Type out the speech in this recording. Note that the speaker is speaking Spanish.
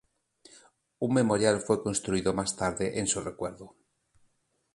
Un memorial fue construido más tarde en su recuerdo.